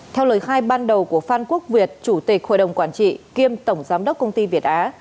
theo lời khai ban đầu của phan quốc việt chủ tịch hội đồng quản trị kiêm tổng giám đốc công ty việt á